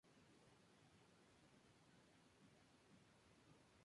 La máquina era tremendamente ruidosa y costosa.